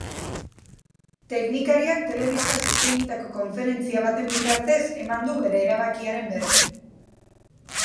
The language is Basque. Teknikariak telebistaz eskainitako konferentzia baten bitartez eman du bere erabakiaren berri.